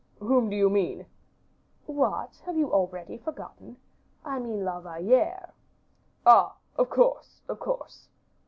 "Whom do you mean?" "What, have you forgotten already? I mean La Valliere." "Ah! of course, of course."